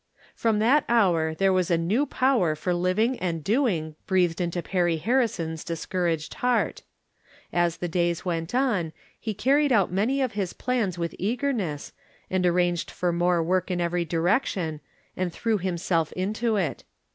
From that hour there was a new power for hv ing and doing breathed into Perry Harrison's discouraged heart. As the days went on he car ried out many of his plans with eagerness, and arranged for more work in every direction, and threw himself into it.